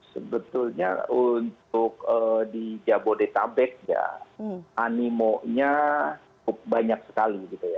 sebetulnya untuk di jabodetabek ya animonya cukup banyak sekali gitu ya